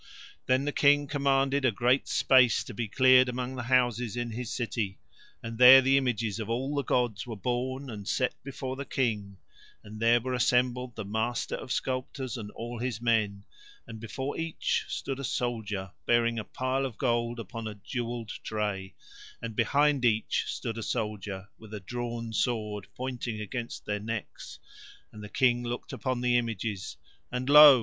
Then the King commanded a great space to be cleared among the houses in his city, and there the images of all the gods were borne and set before the King, and there were assembled the Master of Sculptors and all his men; and before each stood a soldier bearing a pile of gold upon a jewelled tray, and behind each stood a soldier with a drawn sword pointing against their necks, and the King looked upon the images. And lo!